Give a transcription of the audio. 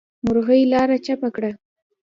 مرغۍ لاره چپه کړه.